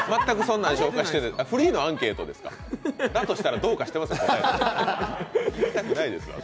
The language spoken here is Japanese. フリーのアンケートですか、だとしたらどうかしてますね。